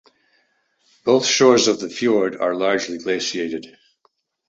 Both shores of the fjord are largely glaciated.